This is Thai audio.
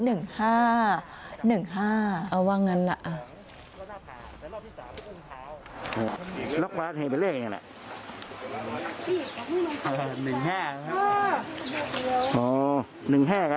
๑๕เอาว่างั้นละ